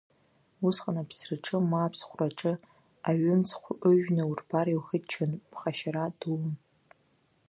Усҟан аԥсраҿы, ма аԥсхәраҿы аҩымцхә ыжәны урбар иухыччон, ԥхашьара дуун.